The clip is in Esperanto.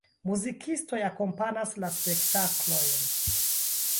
Muzikistoj akompanas la spektaklojn.